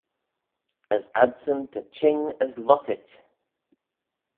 As adsyn ta çhing as lhottit.